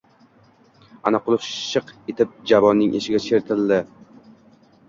Ana, qulf shiq etib, javonning eshigi chertildi